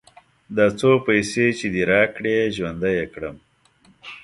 دا څو پيسې چې دې راکړې؛ ژوندی يې کړم.